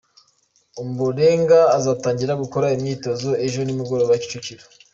Ombolenga azatangira gukora imyitozo ejo nimugoroba Kicukiro.